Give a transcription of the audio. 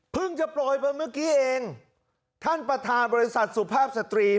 จะโปรยไปเมื่อกี้เองท่านประธานบริษัทสุภาพสตรี